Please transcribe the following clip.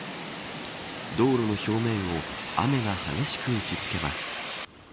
道路の表面を雨が激しく打ちつけます。